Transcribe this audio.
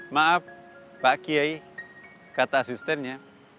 maaf pak kiai kata asistennya